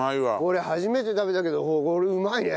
俺初めて食べたけどこれうまいね。